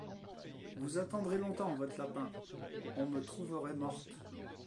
Vous attendrez longtemps votre lapin ; on me trouverait morte !